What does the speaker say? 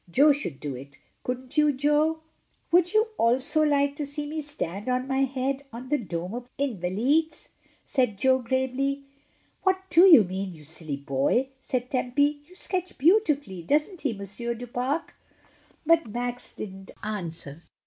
Jo could do it, couldn't you, Jo?" "Would you also like to see me stand on my head on the dome of the Invalides?" said Jo gravely. "What do you mean, you silly boy?" said Tempy. "You sketch beautifully; doesn't he. Monsieur du Pare?" But Max didn't answer.